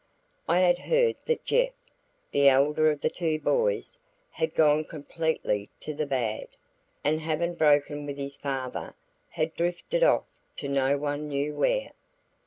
I had heard that Jeff, the elder of the two boys, had gone completely to the bad, and having broken with his father, had drifted off to no one knew where.